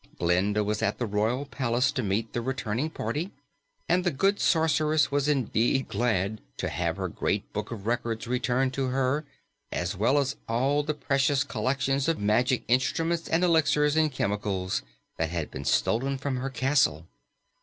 Glinda was at the royal palace to meet the returning party, and the good Sorceress was indeed glad to have her Great Book of Records returned to her, as well as all the precious collection of magic instruments and elixirs and chemicals that had been stolen from her castle.